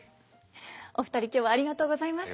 お二人今日はありがとうございました。